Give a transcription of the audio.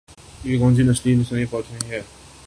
یہ کوئی نسلی یا لسانی فوج نہیں ہے۔